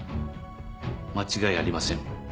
間違いありません。